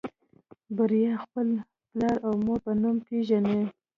بريا خپل پلار او مور په نوم پېژني.